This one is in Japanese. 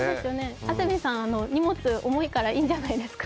安住さん、荷物重いからいいんじゃないですか？